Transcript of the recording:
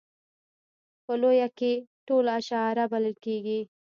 په لویه کې ټول اشاعره بلل کېږي.